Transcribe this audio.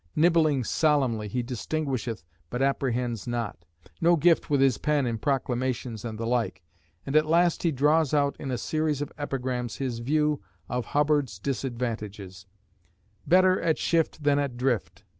Nibbling solemnly, he distinguisheth but apprehends not;" "No gift with his pen in proclamations and the like;" and at last he draws out in a series of epigrams his view of "Hubbard's disadvantages" "Better at shift than at drift....